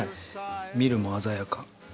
見るも鮮やか。